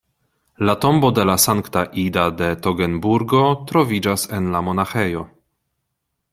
La tombo de la Sankta Ida de Togenburgo troviĝas en la monaĥejo.